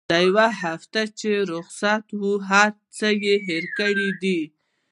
دا يوه هفته چې رخصت وه هرڅه يې هېر کړي دي.